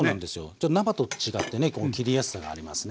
ちょっと生と違ってねこう切りやすさがありますね。